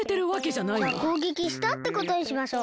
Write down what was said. じゃあこうげきしたってことにしましょう。